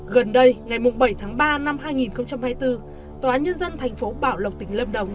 gần đây ngày bảy tháng ba năm hai nghìn hai mươi bốn tòa nhân dân thành phố bảo lộc tỉnh lâm đồng